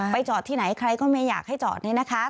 จอดที่ไหนใครก็ไม่อยากให้จอดนี่นะคะ